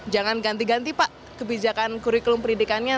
jangan ganti ganti pak kebijakan kurikulum pendidikannya